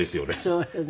そうよね。